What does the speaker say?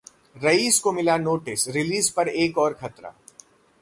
'rice' को मिला notice, release पर एक और खतरा